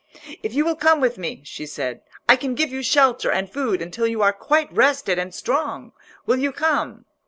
"If you will come with me," she said, "I can give you shelter and food until you are quite rested and strong. Will you come?"